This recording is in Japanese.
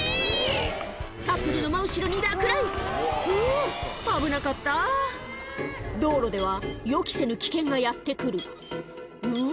カップルの真後ろに落雷ふぅ危なかった道路では予期せぬ危険がやって来るうん？